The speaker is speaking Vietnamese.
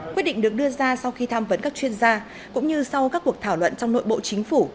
quyết định được đưa ra sau khi tham vấn các chuyên gia cũng như sau các cuộc thảo luận trong nội bộ chính phủ